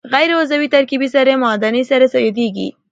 غیر عضوي ترکیبي سرې معدني سرې یادیږي.